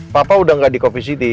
papa udah gak di coffee city